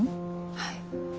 はい。